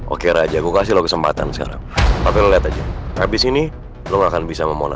oke raja gue kasih kesempatan sekarang tapi lihat aja habis ini lo akan bisa memona